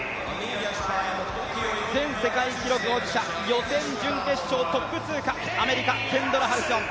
前世界記録保持者、予選、準決勝、トップ通過、アメリカ、ケンドラ・ハリソン。